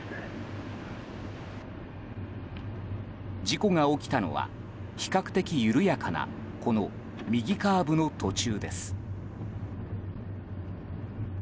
事故が起きたのは比較的緩やかなこの右カーブの途中です。